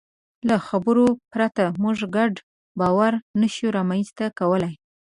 له خبرو پرته موږ ګډ باور نهشو رامنځ ته کولی.